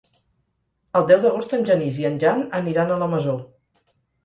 El deu d'agost en Genís i en Jan aniran a la Masó.